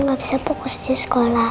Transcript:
aku gak bisa fokus di sekolah